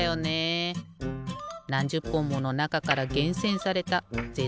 なんじゅっぽんものなかからげんせんされたぜ